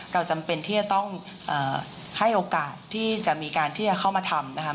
จำเป็นที่จะต้องให้โอกาสที่จะมีการที่จะเข้ามาทำนะคะ